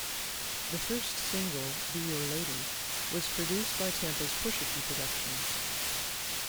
The first single, "Be Your Lady", was produced by Tampa's Push-a-Key Productions.